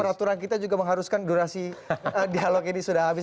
aturan kita juga mengharuskan durasi dialog ini sudah habis